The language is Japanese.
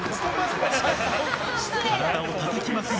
体をたたきまくる